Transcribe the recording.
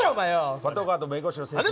パトカーと弁護士の先生。